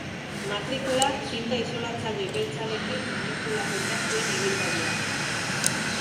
Matrikula zinta isolatzaile beltzarekin manipulatuta zuen ibilgailuak.